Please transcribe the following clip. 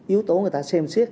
yếu tố người ta xem xét